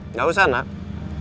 nggak usah nak